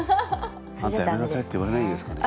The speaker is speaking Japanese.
「あなたやめなさい」って言われないですかね？